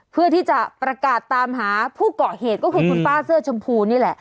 เพื่อที่จะประกาศตามหาผู้เกาะเหตุก็คือคุณป้าเสื้อชมพูนี่แหละ